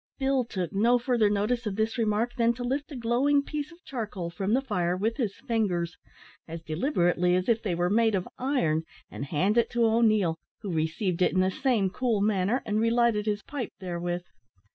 Bill took no further notice of this remark than to lift a glowing piece of charcoal from the fire with his fingers, as deliberately as if they were made of iron, and hand it to O'Neil, who received it in the same cool manner, and relighted his pipe therewith.